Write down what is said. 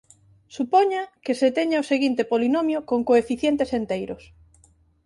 Supoña que se teña o seguinte polinomio con coeficientes enteiros.